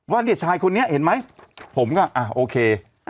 ว่าเนี่ยชายคนนี้เห็นไหมผมก็อ่าโอเค